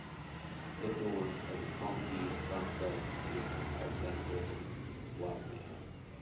The doors of the Comédie-Française theater are then opened wide to him.